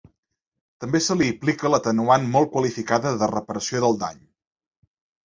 També se li aplica l’atenuant molt qualificada de reparació del dany.